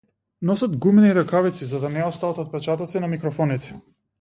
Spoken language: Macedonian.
Носат гумени ракавици за да не оставаат отпечатоци на микрофоните.